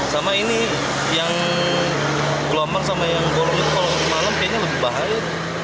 sama ini yang gelombang sama yang golong itu kalau malam kayaknya lebih bahaya